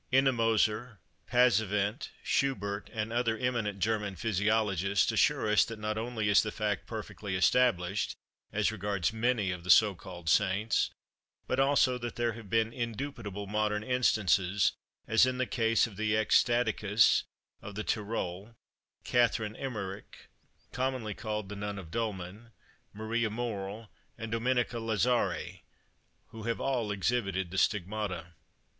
Ennemoser, Passavent, Schubert, and other eminent German physiologists, assure us that not only is the fact perfectly established, as regards many of the so called saints, but also that there have been indubitable modern instances, as in the case of the ecstaticas of the Tyrol, Catherine Emmerich (commonly called the Nun of Dulmen), Maria Morl, and Domenica Lazzari, who have all exhibited the stigmata.